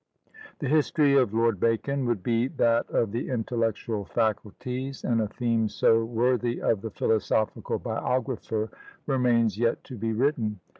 The history of Lord Bacon would be that of the intellectual faculties, and a theme so worthy of the philosophical biographer remains yet to be written.